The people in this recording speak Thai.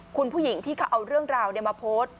คุณผู้หญิงที่เขาเอาเรื่องราวมาโพสต์